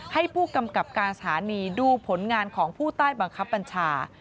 ให้ผู้กำกับการสถานีดูผลงานของผู้ใต้บังคับบัญชา